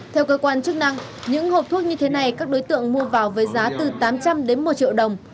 theo cơ quan chức năng những hộp thuốc như thế này các đối tượng mua vào với giá từ tám trăm linh đến một triệu đồng